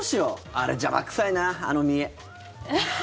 あれ邪魔臭いな、あの見え。